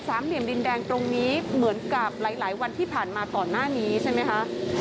เหลี่ยมดินแดงตรงนี้เหมือนกับหลายหลายวันที่ผ่านมาก่อนหน้านี้ใช่ไหมคะ